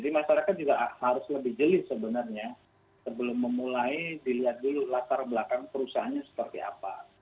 jadi masyarakat juga harus lebih jelis sebenarnya sebelum memulai dilihat dulu latar belakang perusahaannya seperti apa